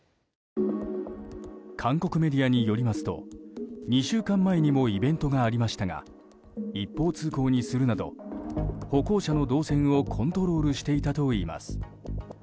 韓国メディアによりますと２週間前にもイベントがありましたが一方通行にするなど歩行者の動線をコントロールしていたといいます。